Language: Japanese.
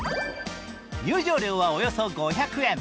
入場料はおよそ５００円。